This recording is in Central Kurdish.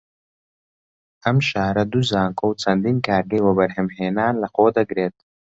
ئەم شارە دوو زانکۆ و چەندین کارگەی وەبەرهەم هێنان لە خۆ دەگرێت